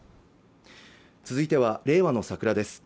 続いては「令和のサクラ」です